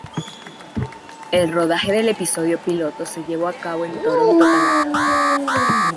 El rodaje del episodio piloto se llevó a cabo en Toronto, Canadá.